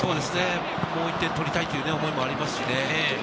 もう１点取りたいという思いもありますしね。